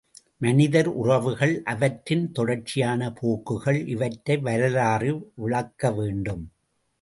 மனிதர் உறவுகள், அவற்றின் தொடர்ச்சியான போக்குகள் இவற்றை வரலாறு விளக்கவேண்டும்.